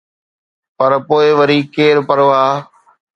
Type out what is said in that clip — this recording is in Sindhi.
پر پوءِ وري، ڪير پرواهه؟